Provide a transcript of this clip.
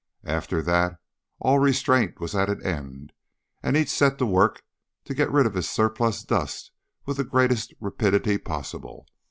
After that, all restraint was at an end, and each set to work to get rid of his surplus dust with the greatest rapidity possible.